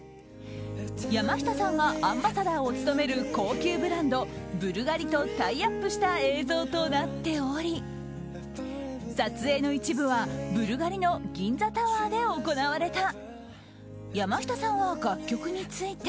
山下さんがアンバサダーを務める高級ブランドブルガリとタイアップした映像となっており撮影の一部はブルガリの銀座タワーで行われた。